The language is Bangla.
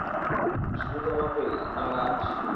শুধু তোমাকেই, - না রাজ।